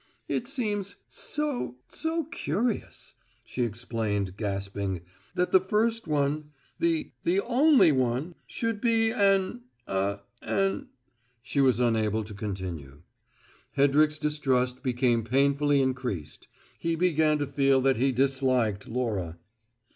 "It seems so so curious," she explained, gasping, "that the first one the the only one should be an a an " She was unable to continue. Hedrick's distrust became painfully increased: he began to feel that he disliked Laura.